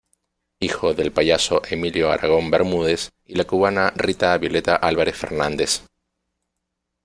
Hijo del payaso Emilio Aragón Bermúdez y la cubana Rita Violeta Álvarez Fernández.